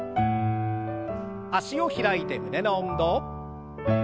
脚を開いて胸の運動。